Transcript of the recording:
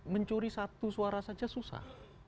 mencuri satu suara saja susah